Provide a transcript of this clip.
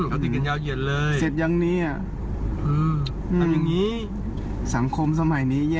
โอ้โหมันสุดยอดนี่บนเขาแล้วนี่